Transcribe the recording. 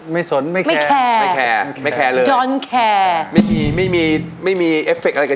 ไม่สนไม่แคร์